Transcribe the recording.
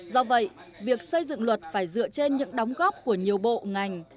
do vậy việc xây dựng luật phải dựa trên những đóng góp của nhiều bộ ngành